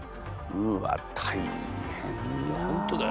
うわ大変だ。